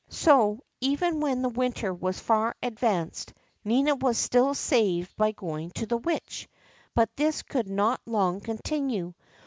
So, even when the winter was far advanced, Nina was still saved from going to the Witch; but this could not long continue.